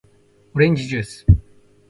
おれんじじゅーす